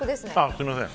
すいません。